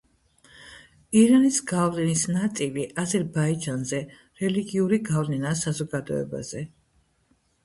ირანის გავლენის ნაწილი აზერბაიჯანზე რელიგიური გავლენაა საზოგადოებაზე.